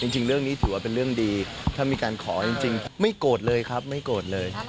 จริงเรื่องนี้ถือว่าเป็นเรื่องดีถ้ามีการขอจริงไม่โกรธเลยครับไม่โกรธเลย